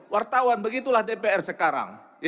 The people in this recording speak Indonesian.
wartawan begitulah dpr sekarang